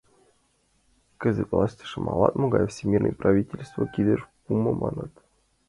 Кызытеш властьым ала-могай Временный правительство кидыш пуымо маныт.